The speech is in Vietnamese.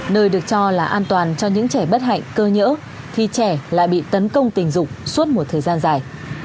nơi được cho là an toàn cho những trẻ bất hạnh cơ nhỡ thì trẻ lại bị tấn công tình dục suốt một thời gian dài